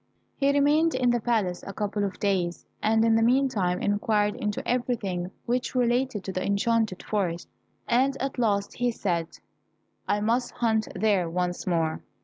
He remained in the palace a couple of days, and in the meantime inquired into everything which related to the enchanted forest, and at last he said, "I must hunt there once more."